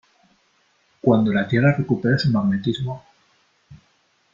cuando la Tierra recupere su magnetismo ,